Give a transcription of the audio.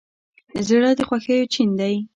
زړه د خوښیو چین دی.